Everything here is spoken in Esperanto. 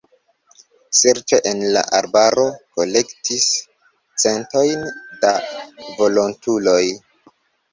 Serĉo en la arbaro kolektis centojn da volontuloj.